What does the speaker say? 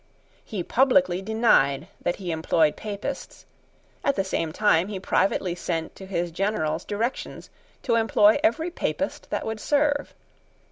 He publicly denied that he employed Papists: at the same time he privately sent to his generals directions to employ every Papist that would serve.